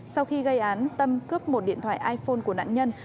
sau khi gây án tâm cướp một điện thoại iphone của nạn nhân